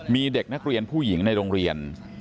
มีเด็กนักเรียนผู้หญิงในโรงเรียน